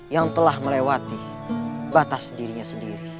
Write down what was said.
yang telah melewati batas dirinya sendiri